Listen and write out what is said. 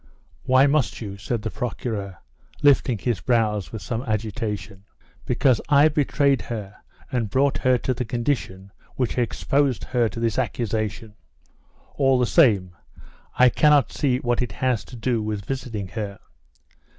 "Why must you?" said the Procureur, lifting his brows with some agitation. "Because I betrayed her and brought her to the condition which exposed her to this accusation." "All the same, I cannot see what it has to do with visiting her."